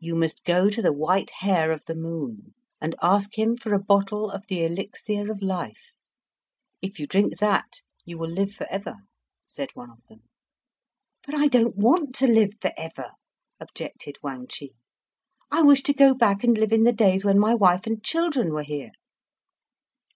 "You must go to the White Hare of the Moon, and ask him for a bottle of the elixir of life. If you drink that you will live forever," said one of them. "But I don't want to live forever," objected Wang Chih. "I wish to go back and live in the days when my wife and children were here."